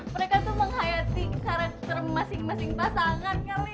mereka tuh menghayati karakter masing masing pasangan kali